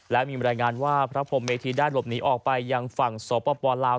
และมีบรรยายงานว่าพระพรมเมธีได้หลบหนีออกไปยังฝั่งสปลาว